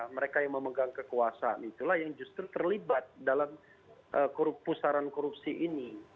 mereka yang memegang kekuasaan itulah yang justru terlibat dalam pusaran korupsi ini